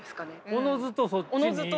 おのずとそっちですね。